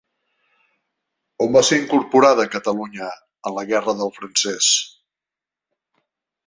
On va ser incorporada Catalunya en la guerra del Francès?